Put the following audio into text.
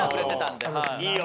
いいよ。